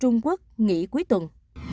trung quốc nghỉ cuối tuần